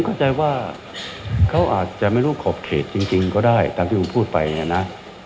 เข้าใจว่าเขาอาจจะไม่รู้ขอบเขตจริงก็ได้ตามที่คุณพูดไปนะ